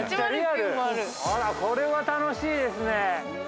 これは楽しいですね。